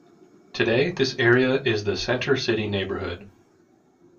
Today this area is the Center City neighborhood.